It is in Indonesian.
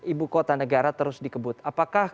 ibu kota negara terus dikebut apakah